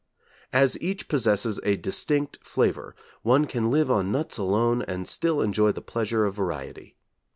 As each possesses a distinct flavour, one can live on nuts alone and still enjoy the pleasure of variety.